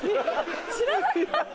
知らなかった！